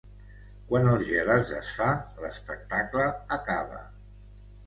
Quan el gel es desfà, l'espectacle acaba.